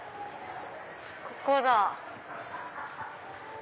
ここだ。